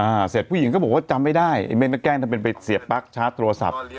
เสร็จผู้หญิงก็บอกว่าจำไม่ได้ไอ้เม่นก็แกล้งทำเป็นไปเสียบปั๊กชาร์จโทรศัพท์